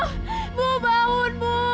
ibu bangun ibu